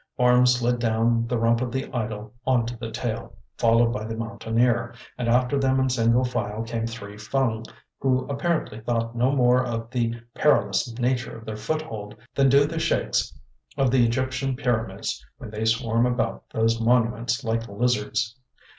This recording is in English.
Orme slid down the rump of the idol on to the tail, followed by the Mountaineer, and after them in single file came three Fung, who apparently thought no more of the perilous nature of their foothold than do the sheiks of the Egyptian pyramids when they swarm about those monuments like lizards.